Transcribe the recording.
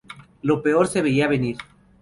Lo peor se veía venir.